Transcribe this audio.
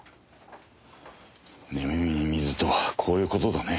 寝耳に水とはこういう事だね。